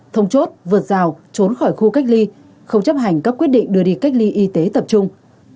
thông chốt vượt rào trốn khỏi khu cách ly không chấp hành các quyết định đưa đi cách ly y tế tập trung